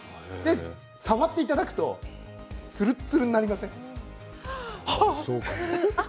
触っていただくとつるつるになります。